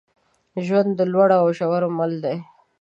ژوند د لوړو او ژورو مل دی.